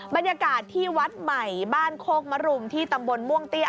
บรรยากาศที่วัดใหม่บ้านโคกมรุมที่ตำบลม่วงเตี้ย